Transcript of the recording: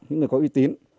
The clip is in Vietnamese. những người có uy tín